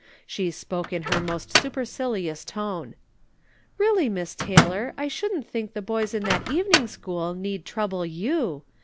She spoke in her most supercilious tone : "Really, IMiss Taylor, I shouldn't think the boys in that evening school need trouble you.